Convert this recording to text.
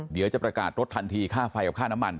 เดี๋ยวจะประกาศรถทันทีค่าไฟกับค่าน้ำมัน